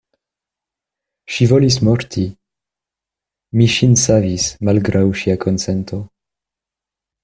Ŝi volis morti: mi ŝin savis malgraŭ ŝia konsento.